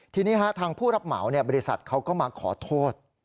ทีนี้ทางผู้รับเหมาบริษัทเขาก็มาขอโทษ